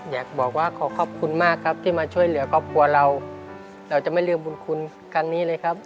อยากบอกว่าขอขอบคุณมากครับที่มาช่วยเหลือครอบครัวเราเราจะไม่ลืมบุญคุณครั้งนี้เลยครับ